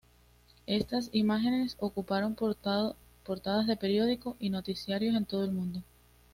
Estas imágenes ocuparon portadas de periódicos y noticiarios en todo el mundo.